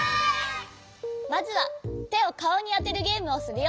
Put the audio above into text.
まずはてをかおにあてるゲームをするよ。